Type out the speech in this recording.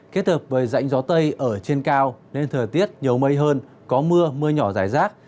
kết hợp với rãnh gió tây ở trên cao nên thời tiết nhiều mây hơn có mưa mưa nhỏ rải rác